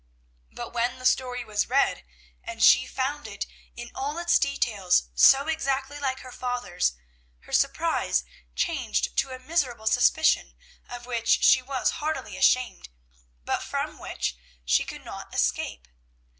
But when the story was read, and she found it, in all its details, so exactly like her father's, her surprise changed to a miserable suspicion, of which she was heartily ashamed, but from which she could not escape.